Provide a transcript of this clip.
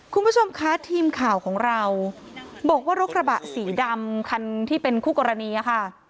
คุณผู้ชมคะทีมข่าวของเราบอกว่ารถกระบะสีดำคันที่เป็นคู่กรณีค่ะ